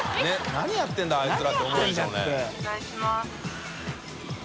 何やってるんだあいつら」って思うでしょうね。